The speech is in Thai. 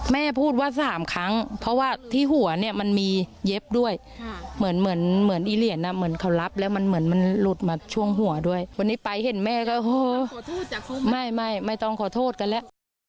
แม่พูดว่า๓ครั้งเพราะว่าที่หัวเนี่ยมันมีเย็บด้วยเหมือนเหมือนอีเหรียญเหมือนเขารับแล้วมันเหมือนมันหลุดมาช่วงหัวด้วยวันนี้ไปเห็นแม่ก็ไม่ต้องขอโทษกันแล้ว